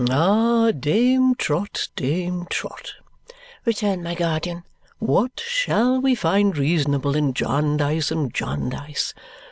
"Ah, Dame Trot, Dame Trot," returned my guardian, "what shall we find reasonable in Jarndyce and Jarndyce!